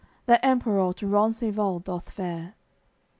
That Emperour to Rencesvals doth fare.